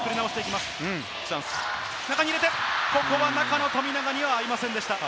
中に入れて、ここは中の富永には合いませんでした。